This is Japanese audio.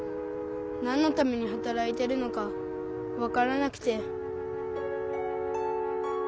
なんのためにはたらいてるのかわからなくて。